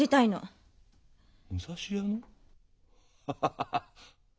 ハハハハハ！